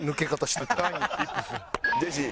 ジェシー。